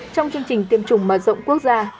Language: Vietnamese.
trong chương trình tiêm chủng mở rộng quốc gia